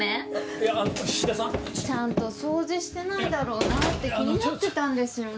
いや菱田さん？ちゃんと掃除してないだろうなって気になってたんですよね。